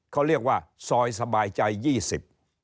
เขาเรียกว่าซอยสบายใจ๒๐